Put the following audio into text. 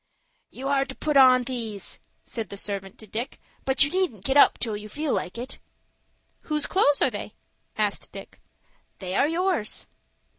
"You are to put on these," said the servant to Dick; "but you needn't get up till you feel like it." "Whose clothes are they?" asked Dick. "They are yours."